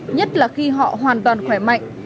nhất là khi họ hoàn toàn khỏe mạnh